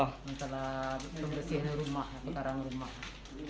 tengkaran pembersihan rumah